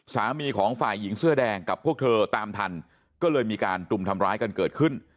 สามีของฝ่ายหญิงเสื้อแดงกับพวกเธอตามทันก็เลยมีการตุ่มทำร้ายกันเกิดขึ้น